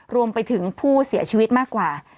รวมไปถึงผู้เสียชีวิตมากกว่า